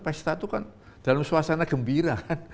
pesta itu kan dalam suasana gembira kan